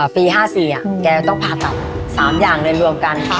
ปี๕๔แกต้องผ่าตัว๓อย่างในรวมกัน